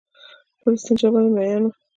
پر استنجا باندې مئين وو.